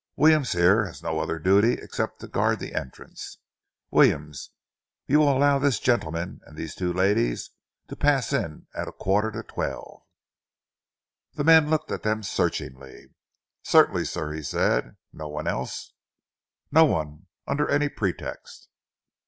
Williams here has no other duty except to guard the entrance. Williams, you will allow this gentleman and these two ladies to pass in at a quarter to twelve." The man looked at them searchingly. "Certainly, sir," he said. "No one else?" "No one, under any pretext."